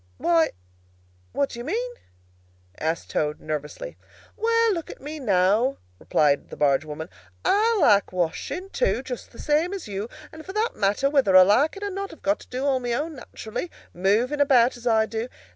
"Why, what do you mean?" asked Toad, nervously. "Well, look at me, now," replied the barge woman. "I like washing, too, just the same as you do; and for that matter, whether I like it or not I have got to do all my own, naturally, moving about as I do.